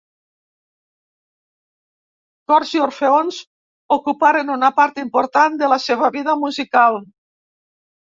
Cors i orfeons ocuparen una part important de la seva vida musical.